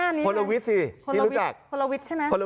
อะไรนะโทรวิทซ์ที่รู้จัก